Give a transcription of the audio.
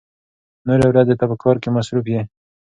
نورې ورځې ته په کار کې مصروف يې.